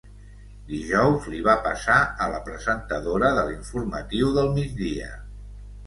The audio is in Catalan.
Dijous, li va passar a la presentadora de l’informatiu del migdia.